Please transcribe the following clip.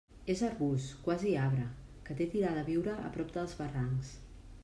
És arbust, quasi arbre, que té tirada a viure a prop dels barrancs.